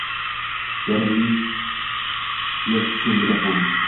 Yarim ming yil so’ngida ham